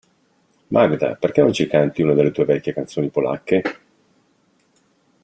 Magda, perché non ci canti una delle tue vecchie canzoni polacche?